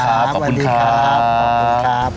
ซีนีครับขอบคุณครับ